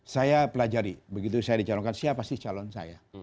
saya pelajari begitu saya dicalonkan siapa sih calon saya